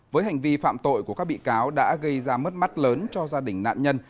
với hành vi phạm tội của các bị cáo đã gây ra mất mắt lớn cho gia đình nạn nhân